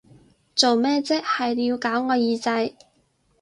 做咩啫，係要搞我耳仔！